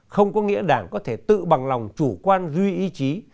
không có nghĩa đảng có thể tự bằng lòng chủ quan duy ý chí